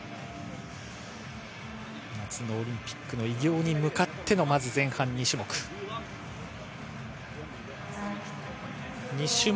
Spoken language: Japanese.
夏のオリンピックの偉業に向かってのまず前半２種目。